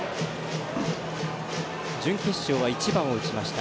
準決勝は１番を打ちました。